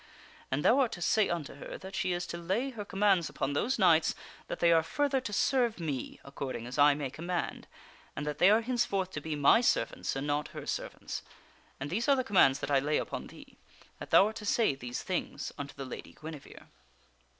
And thou art to say unto her that she is to lay her commands upon those knights that they are further to serve me according as I may command, and that they are henceforth to be my servants and not her servants. And these are the commands that I lay upon thee ; that thou art to say these things unto the Lady Guinevere."